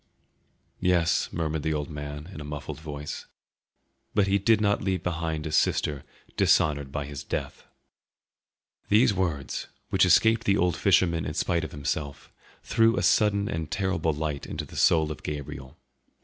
"Yes," murmured the old man in a muffled voice, "but He did not leave behind a sister dishonoured by His death." These words, which escaped the old fisherman in spite of himself, threw a sudden and terrible light into the soul of Gabriel.